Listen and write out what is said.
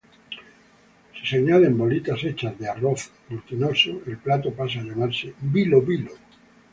Si se añade bolitas hechas de arroz glutinoso, el plato pasa a llamarse "bilo-bilo".